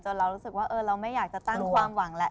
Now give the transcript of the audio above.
เรารู้สึกว่าเราไม่อยากจะตั้งความหวังแล้ว